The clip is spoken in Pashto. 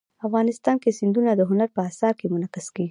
افغانستان کې سیندونه د هنر په اثار کې منعکس کېږي.